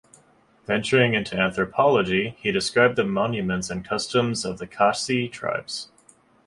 Venturing into anthropology, he described the monuments and customs of the Khasi tribes.